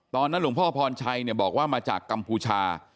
ตอนนั้นหลวงพ่อพรชัยบอกว่ามาจากกัมพูชา